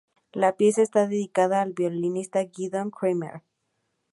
La pieza está dedicada al violinista Gidon Kremer.